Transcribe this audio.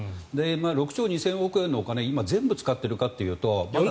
６兆２０００億円のお金を全部使っているかというと。